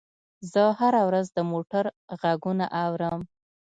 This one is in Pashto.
زه هره ورځ د موټر غږونه اورم.